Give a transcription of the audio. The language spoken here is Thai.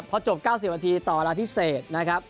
เพราะจบ๙๐ประตูต่อราวิทย์พิเศษนะครับ